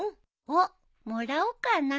おっもらおうかな。